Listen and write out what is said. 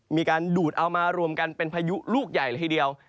มีการดูดเอามารวมกันเป็นพายุลูกใหญ่เลยทีเดียว